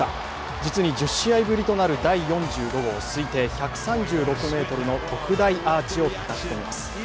実に１０試合ぶりとなる第４５号、推定１３６ｍの特大アーチをたたき込みます。